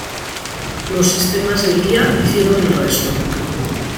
Los sistemas de guía hicieron el resto.